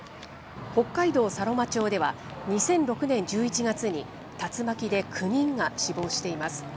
北海道佐呂間町では、２００６年１１月に、竜巻で９人が死亡しています。